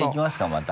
また。